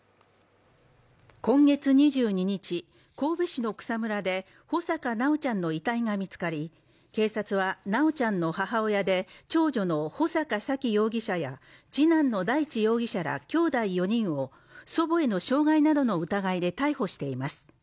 今月２２日、神戸市の草むらで穂坂修ちゃんの遺体が見つかり警察は、修ちゃんの母親で長女の穂坂沙喜容疑者や次男の大地容疑者らきょうだい４人を祖母への傷害などの疑いで逮捕しています。